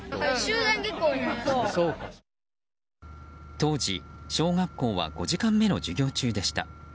当時、小学校は５時間目の授業中でした。